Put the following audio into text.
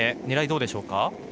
狙いはどうでしょうか？